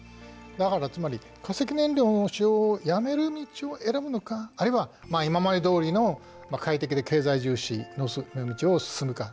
だからつまり化石燃料の使用をやめる道を選ぶのかあるいは今までどおりの快適で経済重視の道を進むか。